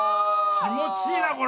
気持ちいいなこれ。